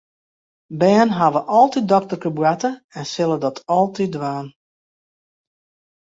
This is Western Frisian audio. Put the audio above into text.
Bern hawwe altyd dokterkeboarte en sille dat altyd dwaan.